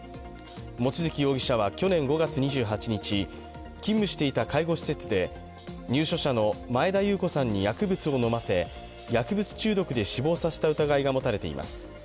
望月容疑者は去年５月２８日勤務していた介護施設で入所者の前田裕子さんに薬物を飲ませ薬物中毒で死亡させた疑いが持たれています。